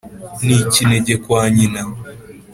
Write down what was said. ni ikinege kwa nyina.